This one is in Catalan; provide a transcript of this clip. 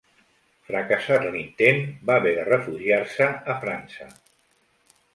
Fracassat l'intent, va haver de refugiar-se a França.